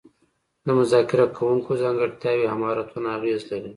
د مذاکره کوونکو ځانګړتیاوې او مهارتونه اغیز لري